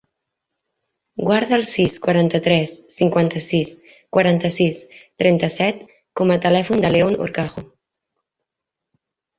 Guarda el sis, quaranta-tres, cinquanta-sis, quaranta-sis, trenta-set com a telèfon del León Horcajo.